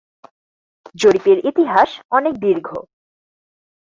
জরিপের ইতিহাস অনেক দীর্ঘ।